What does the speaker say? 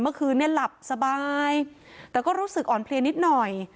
เมื่อคืนเนี่ยหลับสบายแต่ก็รู้สึกอ่อนเพลียนิดหน่อย